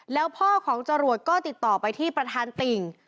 แล้วพ่อของจรวดก็ติดต่อไปที่ประธานติ่ง